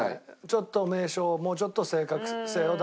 ちょっと名称をもうちょっと正確性を出してくれと。